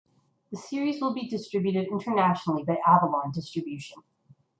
The series will be distributed internationally by Avalon Distribution.